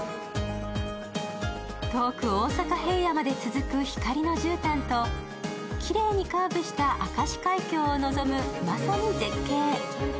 遠く大阪平野まで続く光のじゅうたんときれいにカーブした明石海峡を臨むまさに絶景。